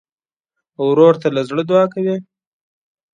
ورور ته له زړه دعا کوې.